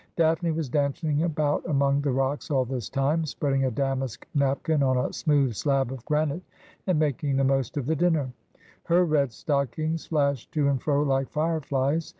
Daphne was dancing about among the rocks all this time, spreading a damask napkin on a smooth slab of granite, and making the most of the dinner. Her red stockings flashed to and fro like fireflies.